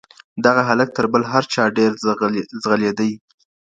دغه هلک تر بل هر چا ډېر ځغلېدی.